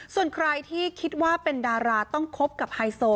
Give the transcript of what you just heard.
ส่วนใครที่คิดว่าเป็นดาราต้องคบกับไฮโซ